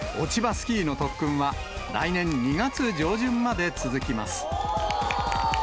スキーの特訓は、来年２月上旬まで続きます。